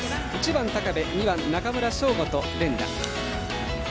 １番、高部２番、中村奨吾と連打。